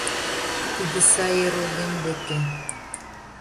Тиде сае родем деке